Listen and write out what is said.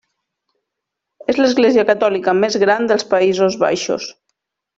És l'església catòlica més gran dels Països Baixos.